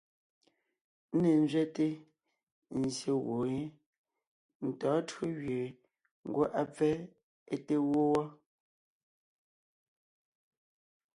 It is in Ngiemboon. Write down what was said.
Ńne ńzẅɛte, nzsyè gwoon yé, ntɔ̌ɔn tÿǒ gẅie ngwɔ́ á pfɛ́ é te wó wɔ́,